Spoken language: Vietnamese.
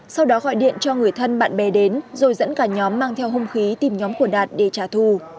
sau đó gọi điện cho người thân bạn bè đến rồi dẫn cả nhóm mang theo hung khí tìm nhóm của đạt để trả thù